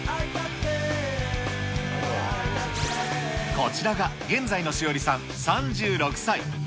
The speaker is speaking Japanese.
こちらが現在の志織さん３６歳。